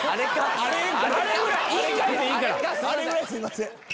あれぐらいすいません。